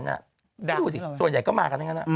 ดูสิส่วนใหญ่ก็มากันนะ